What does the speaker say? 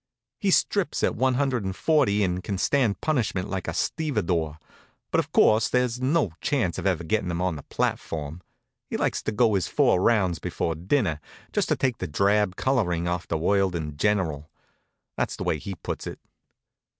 He strips at one hundred and forty and can stand punishment like a stevedore. But, of course, there's no chance of ever gettin' him on the platform. He likes to go his four rounds before dinner, just to take the drab coloring off the world in general. That's the way he puts it.